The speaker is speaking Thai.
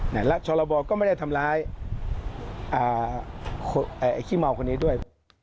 แล้วชรบก็ไม่ได้ทำร้ายไอ้ขี้เมาคนนี้ด้วย